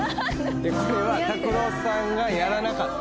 これは拓郎さんがやらなかった。